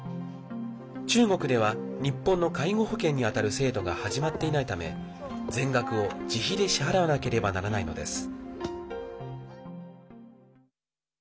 中国では日本の介護保険にあたる制度が始まっていないため全額を自費で支払わなければならないのです。